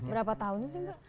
berapa tahun itu mbak